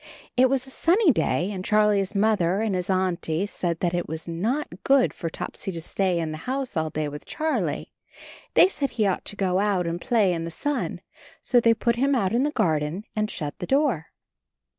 It was a sunny day, and Charlie's Mother and his Auntie said that it was not good for Topsy to stay in the house all day with Charlie; they said he ought to go out and play in the sun, so they put him out in the garden and shut the door.